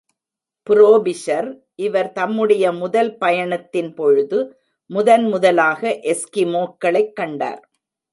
Frobisher இவர் தம்முடைய முதல் பயணத்தின் பொழுது, முதன் முதலாக எஸ்கிமோக்களைக் கண்டார்.